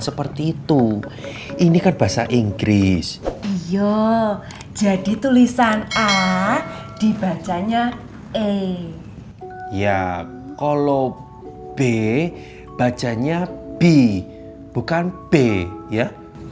seperti itu ini kan bahasa inggris ya jadi tulisan a dibacanya e ya kalau b bacanya b bukan b ya